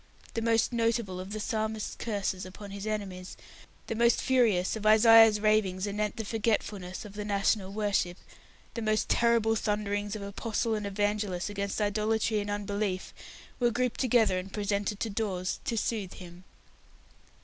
The most notable of the Psalmist's curses upon his enemies, the most furious of Isaiah's ravings anent the forgetfulness of the national worship, the most terrible thunderings of apostle and evangelist against idolatry and unbelief, were grouped together and presented to Dawes to soothe him.